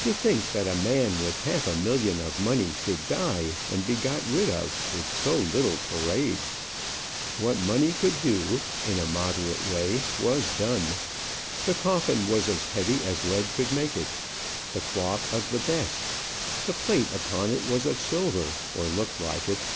To think that a man with half a million of money could die and be got rid of with so little parade! What money could do in a moderate way was done. The coffin was as heavy as lead could make it. The cloth of the best. The plate upon it was of silver, or looked like it.